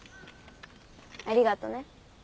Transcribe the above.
ありがとね。